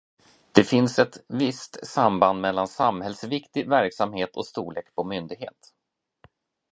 Det finns ett visst samband mellan samhällsviktig verksamhet och storlek på myndighet.